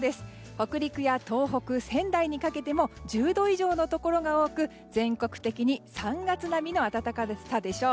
北陸や東北、仙台にかけても１０度以上のところが多く全国的に３月並みの暖かさでしょう。